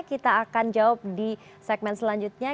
kita akan jawab di segmen selanjutnya